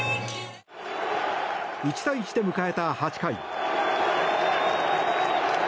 １対１で迎えた８回。